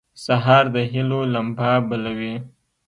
سهار د هيلو لمبه بلوي.